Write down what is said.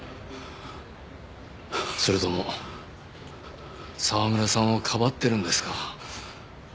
それとも沢村さんをかばってるんですか？